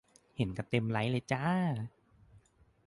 เห็นกันเต็มไทม์ไลน์เลยจ้า